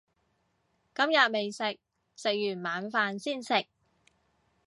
今日未食，食完晚飯先食